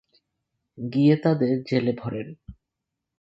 গিয়ে তাদের জেলে ভরেন।